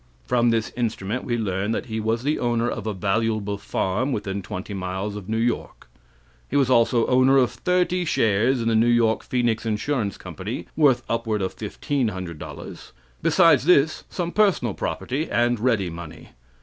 From this instrument we learn that he was the owner of a valuable farm within twenty miles of New York. He was also owner of thirty shares in the New York Phoenix Insurance Company, worth upward of $1,500. Besides this, some personal property and ready money.